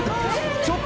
ちょっと！